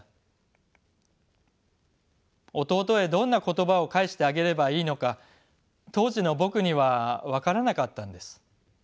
弟へどんな言葉を返してあげればいいのか当時の僕には分からなかったんです。